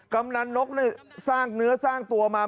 กำนันนกสร้างเนื้อสร้างตัวมา